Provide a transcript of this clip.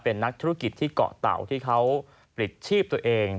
เป็นนักธุรกิจที่เกาะเต่าที่เขาปลิดชีพตัวเอง